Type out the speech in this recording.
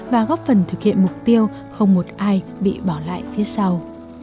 và góp phần thực hiện mục tiêu không một ai bị bỏ lại phía sau